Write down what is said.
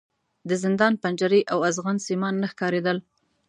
د زندان پنجرې او ازغن سیمان نه ښکارېدل.